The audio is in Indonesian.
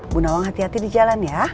bu nawang hati hati di jalan ya